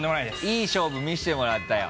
いい勝負見せてもらったよ。